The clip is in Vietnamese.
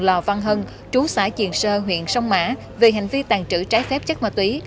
lò văn hân trú xã triền sơ huyện sông mã về hành vi tàn trữ trái phép chất ma túy